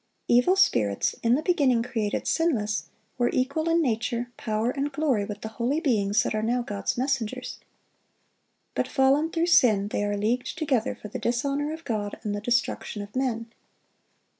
Evil spirits, in the beginning created sinless, were equal in nature, power, and glory with the holy beings that are now God's messengers. But fallen through sin, they are leagued together for the dishonor of God and the destruction of men.